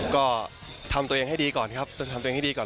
ก็ทำตัวเองให้ดีก่อนครับต้องทำตัวเองให้ดีก่อน